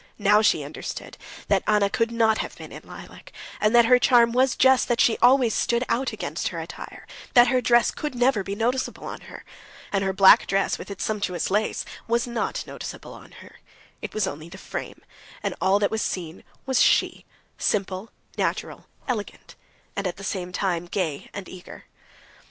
Now she understood that Anna could not have been in lilac, and that her charm was just that she always stood out against her attire, that her dress could never be noticeable on her. And her black dress, with its sumptuous lace, was not noticeable on her; it was only the frame, and all that was seen was she—simple, natural, elegant, and at the same time gay and eager.